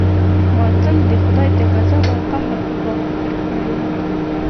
ما تل د خداى د غضب او قهر په باب فکر کړى و.